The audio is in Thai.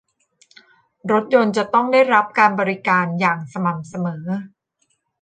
รถยนต์จะต้องได้รับการบริการอย่างสม่ำเสมอ